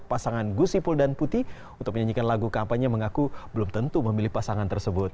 pasangan gusipul dan putih untuk menyanyikan lagu kampanye mengaku belum tentu memilih pasangan tersebut